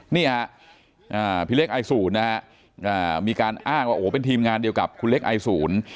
นี่ฮะพี่เล็กไอศูนย์นะฮะมีการอ้างว่าโอ้โหเป็นทีมงานเดียวกับคุณเล็กไอศูนย์